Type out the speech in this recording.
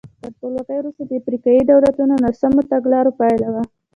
تر خپلواکۍ وروسته د افریقایي دولتونو ناسمو تګلارو پایله وه.